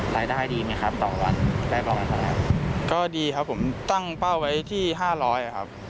รายได้ดีไหมครับต่อวันได้ประมาณเท่าไหร่ก็ดีครับผมตั้งเป้าไว้ที่ห้าร้อยครับ